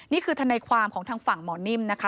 ทนายความของทางฝั่งหมอนิ่มนะคะ